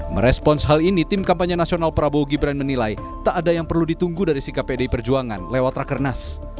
merespons hal ini tim kampanye nasional prabowo gibran menilai tak ada yang perlu ditunggu dari sikap pdi perjuangan lewat rakernas